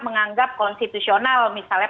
menganggap konstitusional misalnya